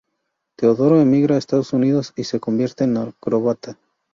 Teodoro emigra a Estados Unidos y se convierte en acróbata.